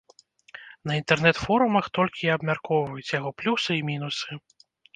На інтэрнэт-форумах толькі і абмяркоўваюць яго плюсы і мінусы.